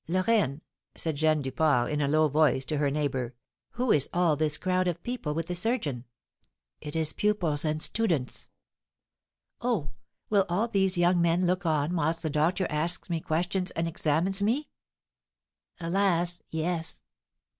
"Lorraine," said Jeanne Duport, in a low voice, to her neighbour, "who is all this crowd of people with the surgeon?" "It is pupils and students." "Oh, will all these young men look on whilst the doctor asks me questions and examines me?" "Alas, yes!"